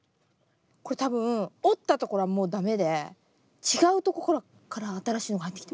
これ多分折ったところはもう駄目で違うとこから新しいのが生えてきてる。